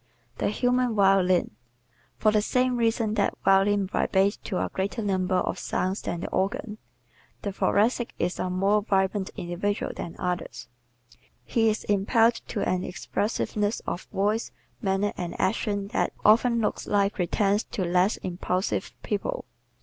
The Human Violin ¶ For the same reason that the violin vibrates to a greater number of sounds than the organ, the Thoracic is a more vibrant individual than others. He is impelled to an expressiveness of voice, manner and action that often looks like pretence to less impulsive people.